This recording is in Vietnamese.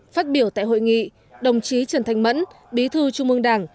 phát biểu tại hội nghị đồng chí trần thanh mẫn bí thư trung ương đảng